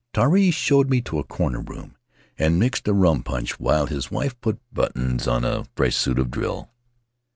Tari showed me to a corner room, and mixed a rum punch while his wife put buttons on a fresh suit of drill.